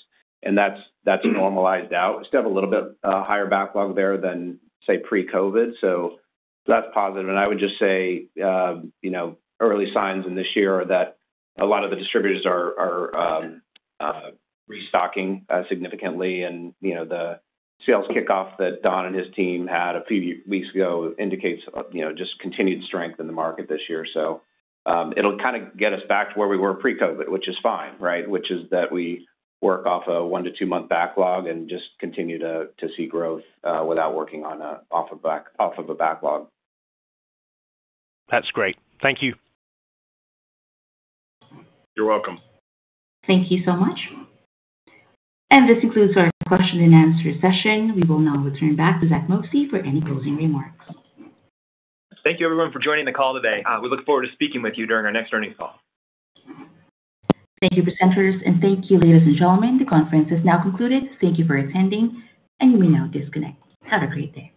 and that's normalized out. We still have a little bit higher backlog there than, say, pre-COVID. So that's positive. And I would just say early signs in this year are that a lot of the distributors are restocking significantly. And the sales kickoff that Don and his team had a few weeks ago indicates just continued strength in the market this year. So it'll kind of get us back to where we were pre-COVID, which is fine, right? Which is that we work off a one- to two-month backlog and just continue to see growth without working off of a backlog. That's great. Thank you. You're welcome. Thank you so much. And this concludes our question and answer session. We will now return back to Zack Moxcey for any closing remarks. Thank you, everyone, for joining the call today. We look forward to speaking with you during our next earnings call. Thank you, presenters. And thank you, ladies and gentlemen. The conference is now concluded. Thank you for attending, and you may now disconnect. Have a great day.